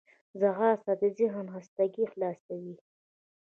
ځغاسته د ذهن له خستګي خلاصوي